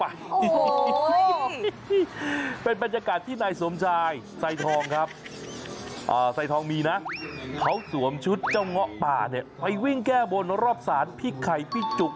เฮ้อใส่ท้องมีนะเขาสวมชุดเจ้าเหงาปลาไปวิ่งแก้ขบนรอบสารพี่ไข่พี่จุก